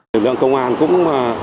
lực lượng công an cũng